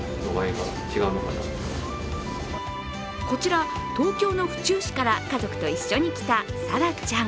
こちら、東京の府中市から家族と一緒に来た、さらちゃん。